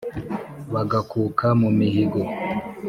Bagakuka mu mihigo,